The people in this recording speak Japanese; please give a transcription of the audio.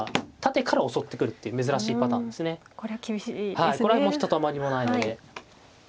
はいこれはもうひとたまりもないので。